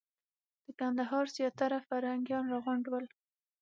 د کندهار زیاتره فرهنګیان راغونډ ول.